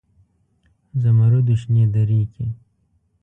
زمرودو شنې درې کې